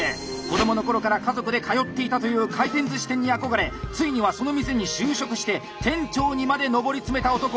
子どもの頃から家族で通っていたという回転寿司店に憧れついにはその店に就職して店長にまで上り詰めた男！